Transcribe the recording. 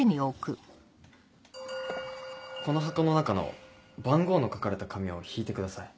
この箱の中の番号の書かれた紙を引いてください。